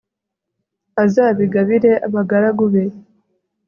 azabigabire abagaragu be